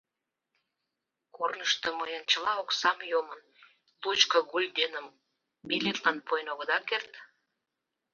— Корнышто мыйын чыла оксам йомын, — лучко гульденым билетлан пуэн огыда керт?